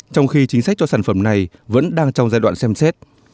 trong khi chính sách cho sản phẩm này vẫn đang trong giai đoạn xem xét